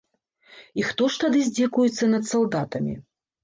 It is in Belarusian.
І хто ж тады здзекуецца над салдатамі?